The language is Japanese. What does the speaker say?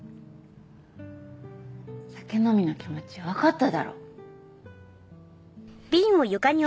酒飲みの気持ちわかっただろ。